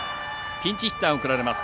ピンチヒッターが送られます。